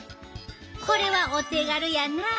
これはお手軽やなあ。